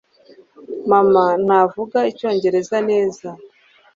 Mama ntavuga Icyongereza neza